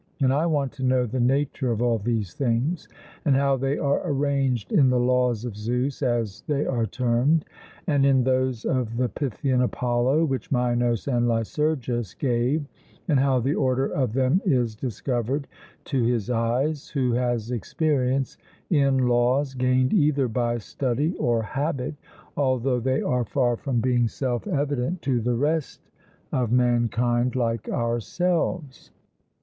And I want to know the nature of all these things, and how they are arranged in the laws of Zeus, as they are termed, and in those of the Pythian Apollo, which Minos and Lycurgus gave; and how the order of them is discovered to his eyes, who has experience in laws gained either by study or habit, although they are far from being self evident to the rest of mankind like ourselves.